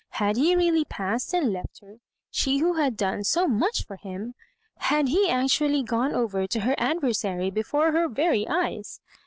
Had he really passed and left her, she who had done so much for him ? Had he actually gone over to her ad versary before her very eyes